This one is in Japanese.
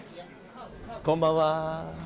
こんばんは。